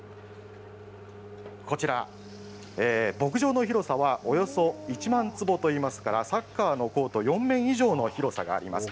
こちら、牧場の広さはおよそ１万坪といいますから、サッカーのコート４面以上の広さがあります。